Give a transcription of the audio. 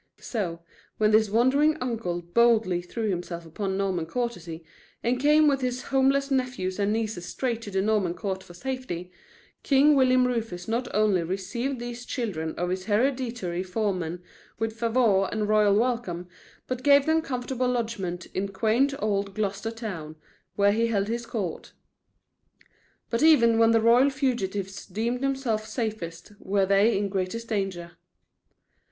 So, when this wandering uncle boldly threw himself upon Norman courtesy, and came with his homeless nephews and nieces straight to the Norman court for safety, King William Rufus not only received these children of his hereditary foeman with favor and royal welcome, but gave them comfortable lodgment in quaint old Gloucester town, where he held his court. But even when the royal fugitives deemed themselves safest were they in the greatest danger.